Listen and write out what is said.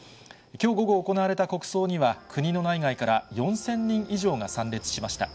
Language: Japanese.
きょう午後行われた国葬には、国の内外から４０００人以上が参列しました。